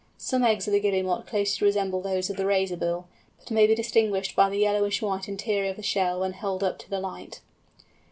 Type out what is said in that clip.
Some eggs of the Guillemot closely resemble those of the Razorbill, but may be distinguished by the yellowish white interior of the shell when held up to the light.